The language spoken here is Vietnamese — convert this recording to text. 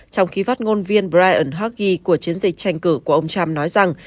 trong khi phát ngôn viên brian hocky của chiến dịch tranh cử của ông trump nói rằng